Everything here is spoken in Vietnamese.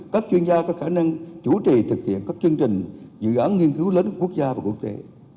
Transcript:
các chuyên gia có khả năng chủ trì thực hiện các chương trình dự án nghiên cứu lớn của quốc gia và quốc tế